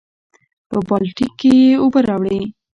پۀ بالټي کښې ئې اوبۀ راوړې ـ